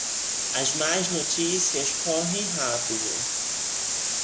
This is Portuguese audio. As más notícias correm rápido.